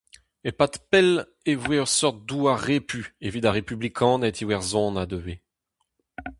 E-pad pell e voe ur seurt douar repu evit ar republikaned iwerzhonat ivez.